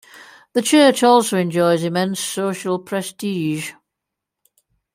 The Church also enjoys immense social prestige.